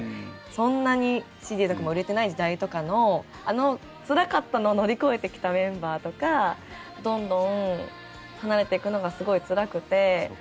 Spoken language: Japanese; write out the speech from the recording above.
そんなにＣＤとかも売れてない時代とかのあのつらかったのを乗り越えてきたメンバーとかどんどん離れてくのがすごいつらくて。